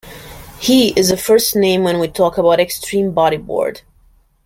He is a first name when we talk about Xtreme Bodyboard.